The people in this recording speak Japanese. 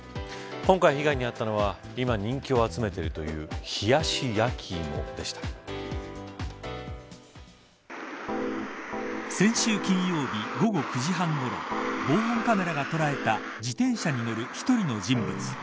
今回被害に遭ったのは今、人気を集めているという先週金曜日、午後９時半ごろ防犯カメラが捉えた自転車に乗る一人の人物。